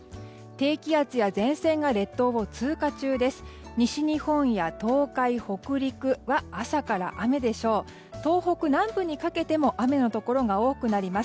低気圧や前線が列島を通過中です。